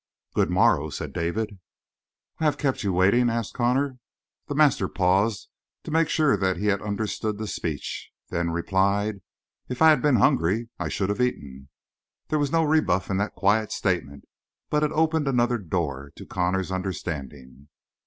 "Good morrow," said David. "I have kept you waiting?" asked Connor. The master paused to make sure that he had understood the speech, then replied: "If I had been hungry I should have eaten." There was no rebuff in that quiet statement, but it opened another door to Connor's understanding.